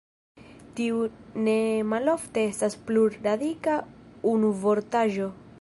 Tiu ne malofte estas plurradika unuvortaĵo.